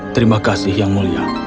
terima kasih yang mulia